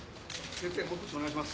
先生ひと言お願いします。